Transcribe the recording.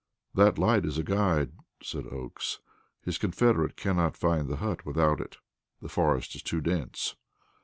"That light is a guide," said Oakes. "His confederate cannot find the hut without it; the forest is too dense."